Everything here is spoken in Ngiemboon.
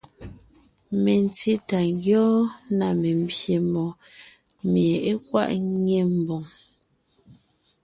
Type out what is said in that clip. Mentí tà ńgyɔ́ɔn na membyè mɔɔn mie é kwaʼ ńnyé ḿboŋ.